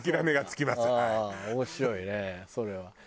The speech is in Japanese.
面白いねそれは。